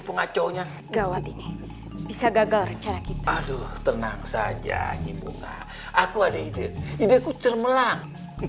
paconya gawat ini bisa gagal rencana kita aduh tenang saja aku ada ide ide kucermelang